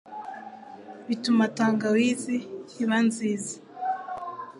bituma tangawizi iba nziza